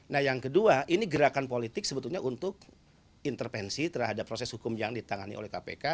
nah yang kedua ini gerakan politik sebetulnya untuk intervensi terhadap proses hukum yang ditangani oleh kpk